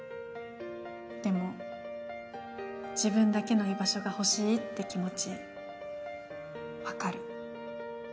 でも自分だけの居場所が欲しいって気持ち分かる。